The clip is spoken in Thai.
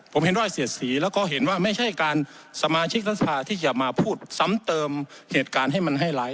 ผมเห็นว่าเสียดสีแล้วก็เห็นว่าไม่ใช่การสมาชิกรัฐสภาที่จะมาพูดซ้ำเติมเหตุการณ์ให้มันให้ร้าย